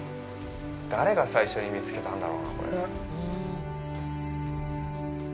誰が最初に見つけたんだろうな、これ。